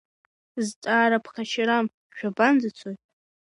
Зҵаара ԥхашьарам, шәабанӡацои?